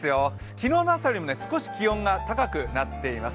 昨日の朝よりも少し気温が高くなっています。